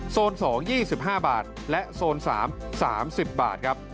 โซน๒๒๕บาทและโซน๓๓๐บาทครับ